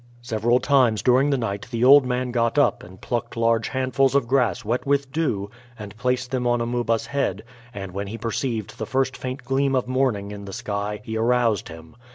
Several times during the night the old man got up and plucked large handfuls of grass wet with dew and placed them on Amuba's head, and when he perceived the first faint gleam of morning in the sky he aroused him.